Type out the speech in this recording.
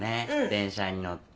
電車に乗って。